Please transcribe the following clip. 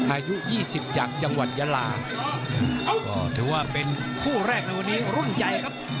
อายุยี่สิบจากจังหวัดยาลาก็ถือว่าเป็นคู่แรกในวันนี้รุ่นใหญ่ครับ